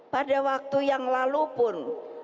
pada waktu yang lalu pun